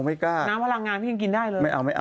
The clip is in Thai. น้ำพลังงานพี่ยังกินได้เลย